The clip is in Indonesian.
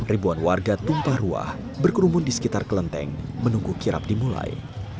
ribuan warga tumpah ruah berkerumun di sekitar kelenteng menunggu kirap dimulai